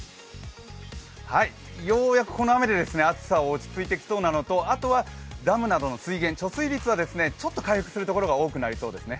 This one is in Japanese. ようやくこの雨で暑さは落ち着いてきそうなのと、あとはダムなどの水源、貯水率はちょっと回復するところが多くなりそうですね